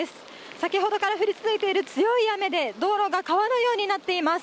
先ほどから降り続いている強い雨で道路が川のようになっています。